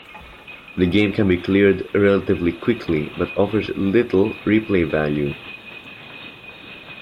The game can be cleared relatively quickly, but offers little replay value.